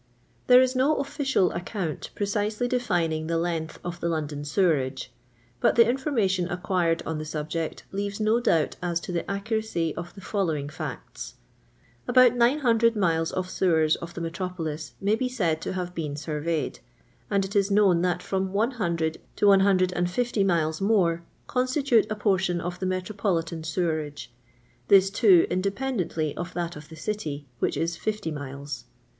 E is T\r\ oiruial account precisely defining the length of the London Jit wera^'e ; but tin* iniorma tion .'icqiiiroil en the subject leaves no doubt as to the ac( uracy of the following facts. About i»M'i niiU'S of sewers of the metropolis may l,e jf.iid to have been surveyed; and it is known that fnun ] 00 to 1 50 miles more con»tilute a portion of the metropolitan sewerage ; this, too. independently of thai of the City, wbicli is 50 miles.